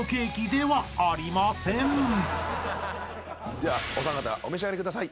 じゃあお三方お召し上がりください。